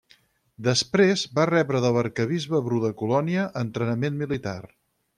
Després va rebre de l'arquebisbe Bru de Colònia entrenament militar.